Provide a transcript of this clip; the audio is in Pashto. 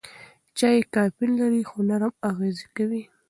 چای کافین لري خو نرم اغېز کوي.